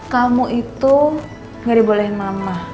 kamu itu gak dibolehin mama